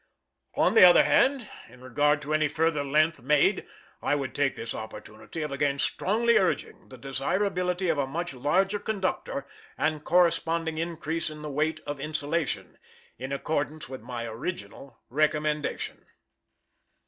On the other hand, in regard to any further length made, I would take this opportunity of again strongly urging the desirability of a much larger conductor and corresponding increase in the weight of insulation, in accordance with my original recommendation.